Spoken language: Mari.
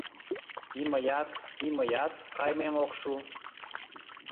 И мыят, и мыят кайымем ок шу